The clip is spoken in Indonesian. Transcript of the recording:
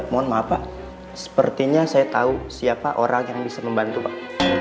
mohon maaf pak sepertinya saya tahu siapa orang yang bisa membantu pak